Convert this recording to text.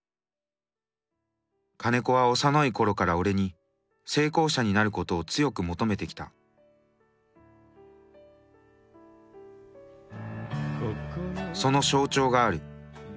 金子は幼い頃から俺に成功者になることを強く求めてきたその象徴がある。